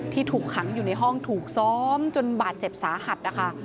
ถูกขังอยู่ในห้องถูกซ้อมจนบาดเจ็บสาหัสนะคะ